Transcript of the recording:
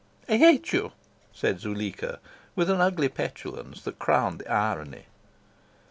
"I hate you," said Zuleika, with an ugly petulance that crowned the irony.